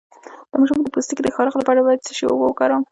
د ماشوم د پوستکي د خارښ لپاره د څه شي اوبه وکاروم؟